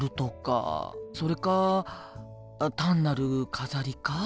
それか単なる飾りか。